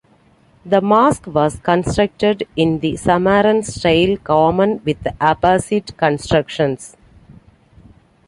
The mosque was constructed in the Samarran style common with Abbasid constructions.